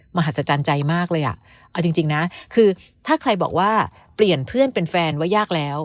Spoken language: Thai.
มหัศจรรย์ใจมากเลยอ่ะเอาจริงนะคือถ้าใครบอกว่าเปลี่ยนเพื่อนเป็นแฟนว่ายากแล้ว